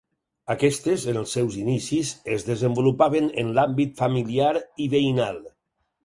Aquestes, en els seus inicis es desenvolupaven en l'àmbit familiar i veïnal.